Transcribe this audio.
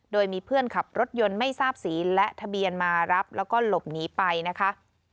โดยมีเพื่อนขับรถยนต์ไม่ทราบสีและทะเบียนมารับแล้วก็หลบหนีไปนะคะ